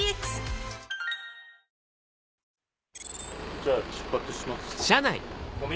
じゃあ出発します。